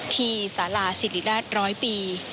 ที่สาราศิริราชร้อยปี